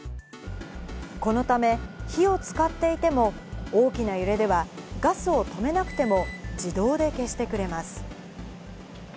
このため、火を使っていても、大きな揺れではガスを止めなくても、自動で消してくれます。